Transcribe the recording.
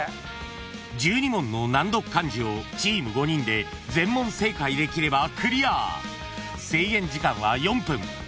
［１２問の難読漢字をチーム５人で全問正解できればクリア］